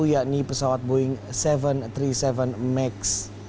yakni pesawat boeing tujuh ratus tiga puluh tujuh max